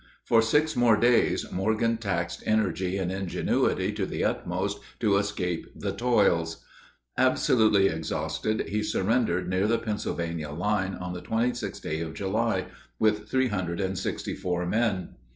For six more days Morgan taxed energy and ingenuity to the utmost to escape the toils. Absolutely exhausted, he surrendered near the Pennsylvania line, on the 26th day of July, with three hundred and sixty four men.